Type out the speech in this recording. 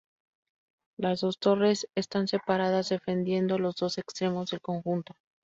Las dos torres están separadas, defendiendo los dos extremos del conjunto.